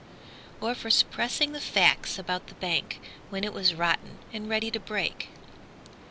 Or for suppressing the facts about the bank, When it was rotten and ready to break?